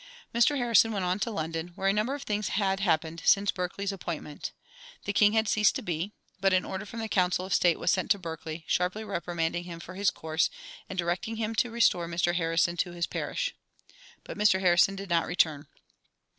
Mr. Harrison went on to London, where a number of things had happened since Berkeley's appointment. The king had ceased to be; but an order from the Council of State was sent to Berkeley, sharply reprimanding him for his course, and directing him to restore Mr. Harrison to his parish. But Mr. Harrison did not return.